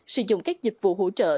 sử dụng các dịch vụ hỗ trợ